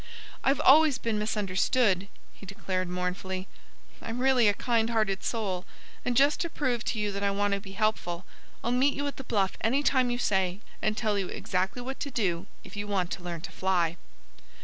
"I've always been misunderstood," he declared mournfully. "I'm really a kind hearted soul. And just to prove to you that I want to be helpful, I'll meet you at the bluff any time you say, and tell you exactly what to do if you want to learn to fly."